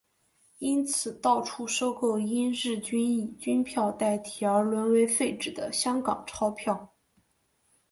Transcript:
因此到处收购因日军以军票代替而沦为废纸的香港钞票。